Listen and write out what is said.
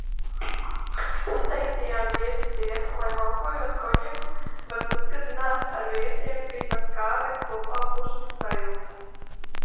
Uztaisījām viesu sienu, lai malkojot konjaku var saskandināt ar "viesiem", vismaz kāda kopābūšanas sajūta...